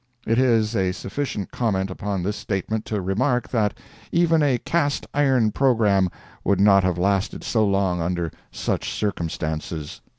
It is a sufficient comment upon this statement to remark that even a cast iron programme would not have lasted so long under such circumstances.